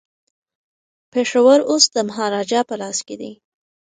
پېښور اوس د مهاراجا په لاس کي دی.